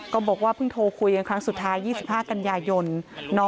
บอกว่าเพิ่งโทรคุยกันครั้งสุดท้าย๒๕กันยายน